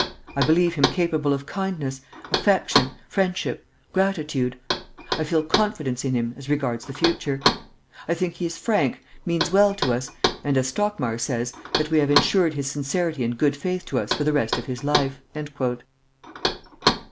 I believe him capable of kindness, affection, friendship, gratitude. I feel confidence in him as regards the future. I think he is frank, means well to us, and, as Stockmar says, that we have insured his sincerity and good faith to us for the rest of his life."